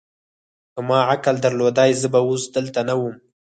که ما عقل درلودای، زه به اوس دلته نه ووم.